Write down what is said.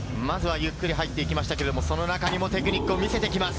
まずはゆっくり入っていきしたが、その中でもテクニックを見せていきます。